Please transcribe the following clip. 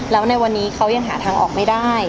แล้วในวันนี้เขายังหาทางออกไม่ได้